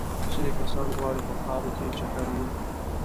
ځینې کسان غواړي په ښار کې چکر ووهي.